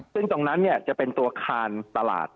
ซึ่งตรงนั้นจะเป็นตัวคานตลาด